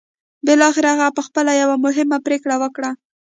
بالاخره هغه پخپله یوه مهمه پرېکړه وکړه